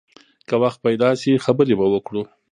که وخت پیدا شي، خبرې به وکړو.